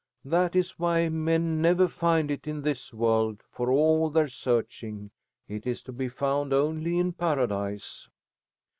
That is why men never find it in this world for all their searching. It is to be found only in Paradise."